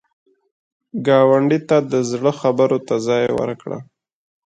ګاونډي ته د زړه خبرو ته ځای ورکړه